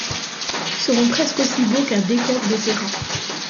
Seront presque aussi beaux qu'un décor d'opéra